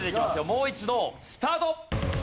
もう一度スタート！